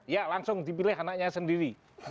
ya langsung dipilih anaknya sendiri